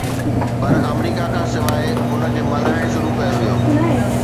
پر آمريڪا کان سواءِ ان کي ملهائڻ شروع ڪيو ويو.